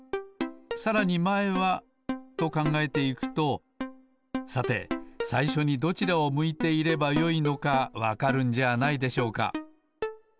さらにまえはとかんがえていくとさてさいしょにどちらを向いていればよいのかわかるんじゃないでしょうか。